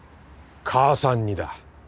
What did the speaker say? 母さん似だ。